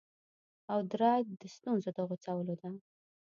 او درایت د ستونزو د غوڅولو ده